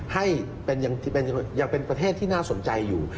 ให้ยังเป็นประเทศที่น่าสนใจอยู่